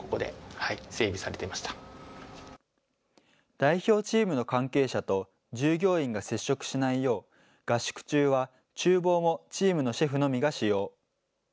代表チームの関係者と従業員が接触しないよう、合宿中はちゅう房もチームのシェフのみが使用。